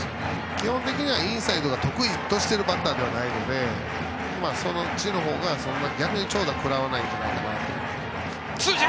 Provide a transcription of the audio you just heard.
基本的にインサイドを得意とするバッターではないのでそっちの方が逆に長打を食らわないと思います。